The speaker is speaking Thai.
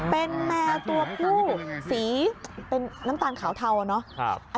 เป็นแมวตัวผู้สีเป็นน้ำตาลขาวเทาอะเนาะ